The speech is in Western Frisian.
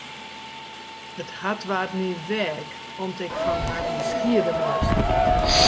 It hart waard my weak om't ik fan harren skiede moast.